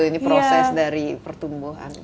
ini proses dari pertumbuhan